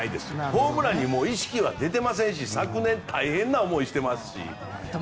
ホームランに意識は出ていませんし昨年大変な思いをしていますし。